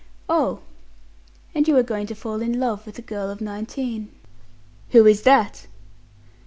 "Oh! And you are going to fall in love with a girl of nineteen." "Who is that?"